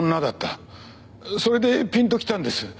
それでピンときたんです。